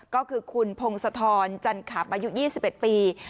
ก็คือคุณพงศธรจันขับอายุยี่สิบเอ็ดปี